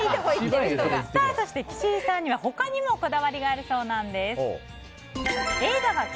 そして、岸井さんには他にもこだわりがあるそうなんです。